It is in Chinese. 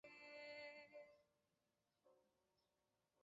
萨格奈是加拿大的一个城市。